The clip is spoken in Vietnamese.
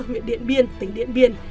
huyện điện biên tỉnh điện biên